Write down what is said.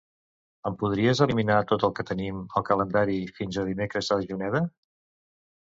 Ens podries eliminar tot el que tenim al calendari fins al dimecres a Juneda?